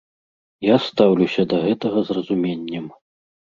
Я стаўлюся да гэтага з разуменнем.